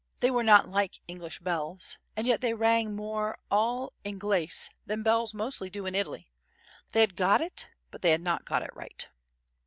They were not like English bells, and yet they rang more all 'Inglese than bells mostly do in Italy—they had got it, but they had not got it right.